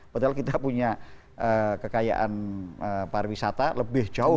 padahal kita punya kekayaan pariwisata lebih jauh